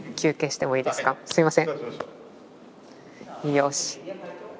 よし！